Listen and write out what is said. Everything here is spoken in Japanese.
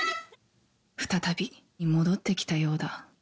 再び戻ってきたようだ。